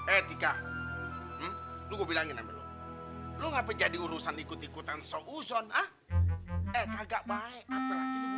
etika dulu bilangin lu ngapa jadi urusan ikut ikutan so uzon ah eh kagak baik apel lagi